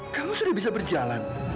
kamu sudah bisa berjalan